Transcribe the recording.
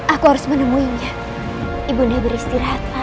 aku harus menemuinya ibu beristirahatlah